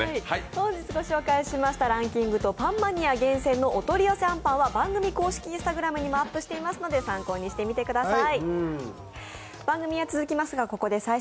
本日ご紹介しましたランキングとパンマニア厳選のお取り寄せパンは番組公式Ｉｎｓｔａｇｒａｍにもアップしていますので、参考にしてください。